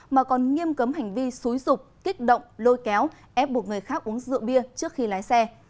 mà còn nghiêm cấm hành vi xúi rục kích động lôi kéo ép buộc người khác uống rượu bia trước khi lái xe